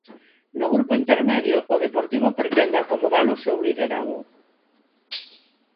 No grupo intermedio, O Deportivo pretende acomodar o seu liderado.